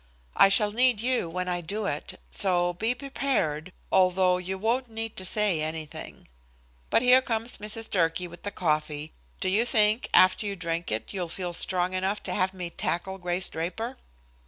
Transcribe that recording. "I shall need you when I do it, so be prepared, although you won't need to say anything. "But here comes Mrs. Durkee with the coffee. Do you think, after you drink it, you'll feel strong enough to have me tackle Grace Draper?"